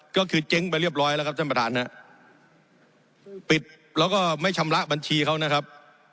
ก็คือเจ๊งไปเรียบร้อยแล้วครับท่านประธานฮะปิดแล้วก็ไม่ชำระบัญชีเขานะครับ